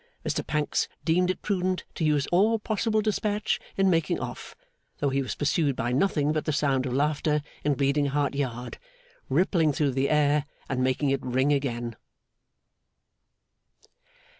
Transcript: Mr Pancks deemed it prudent to use all possible despatch in making off, though he was pursued by nothing but the sound of laughter in Bleeding Heart Yard, rippling through the air and making it ring again.